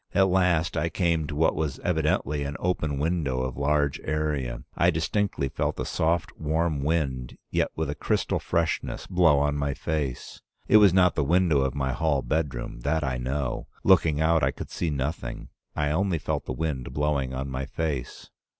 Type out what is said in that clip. At last I came to what was evidently an open window of large area. I distinctly felt a soft, warm wind, yet with a crystal freshness, blow on my face. It was not the window of my hall bedroom, that I know. Looking out, I could see nothing. I only felt the wind blowing on my face.